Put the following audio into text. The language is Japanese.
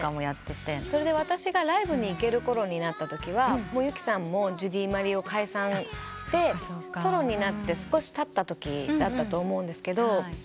それで私がライブに行けるころになったときはＹＵＫＩさんもジュディマリを解散してソロになって少したったときだったと思うんですが。